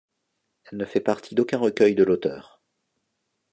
Elle ne fait partie d'aucun recueil de l'auteur.